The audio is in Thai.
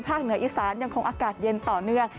เหนืออีสานยังคงอากาศเย็นต่อเนื่อง